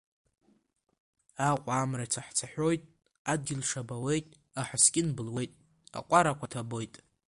Аҟәа Амра цаҳәцаҳәоит, адгьыл шабауеит, аҳаскьын былуеит, акәарақәа ҭабоит.